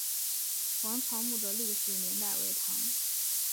王潮墓的历史年代为唐。